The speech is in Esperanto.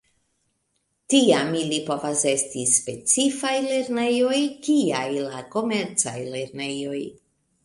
Tiam ili povas esti specifaj lernejoj kiaj la komercaj lernejoj.